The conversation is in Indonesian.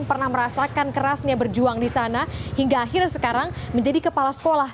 pernah merasakan kerasnya berjuang di sana hingga akhirnya sekarang menjadi kepala sekolah